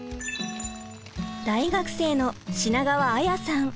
大学生の品川彩さん。